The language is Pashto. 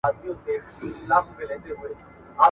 لیک د زهشوم له خوا کيږي!!